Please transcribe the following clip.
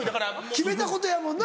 決めたことやもんな。